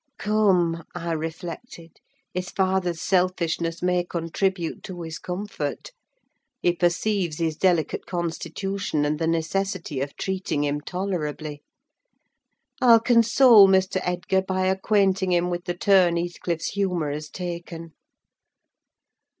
Come, I reflected, his father's selfishness may contribute to his comfort. He perceives his delicate constitution, and the necessity of treating him tolerably. I'll console Mr. Edgar by acquainting him with the turn Heathcliff's humour has taken.